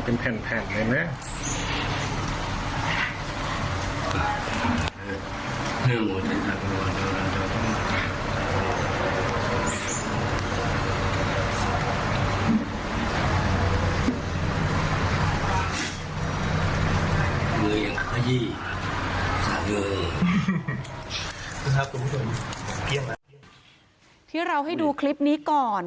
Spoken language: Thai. ก็เป็นคลิปที่เราให้ดูคลิปนี้ก่อน